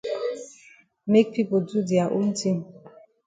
Make pipo do dia own tin.